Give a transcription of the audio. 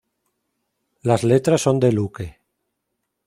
Las letras son de Luque.